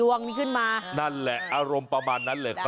วางแผนมาแล้ว